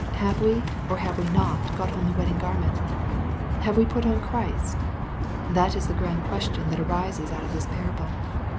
Have we or have we not got on the wedding garment ? Have we put on Christ ? j That is the grand question that arises out of this parax>le.